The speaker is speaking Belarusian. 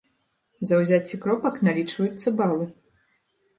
За ўзяцце кропак налічваюцца балы.